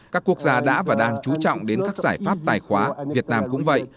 các quốc gia đã và đang chú trọng đến các giải pháp tài khoá việt nam cũng vậy